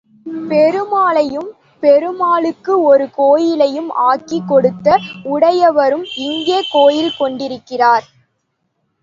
பெருமாளையும், பெருமாளுக்கு ஒரு கோயிலையும் ஆக்கிக் கொடுத்த உடையவரும் இங்கே கோயில் கொண்டிருக்கிறார்.